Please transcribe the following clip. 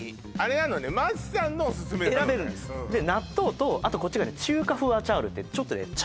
あれなのね松さんのおすすめなのね選べるんですで納豆とあとこっちがね中華風アチャールってちょっとね